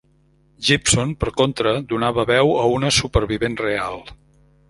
Gibson, per contra, donava veu a una supervivent real.